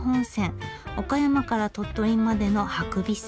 岡山から鳥取までの伯備線。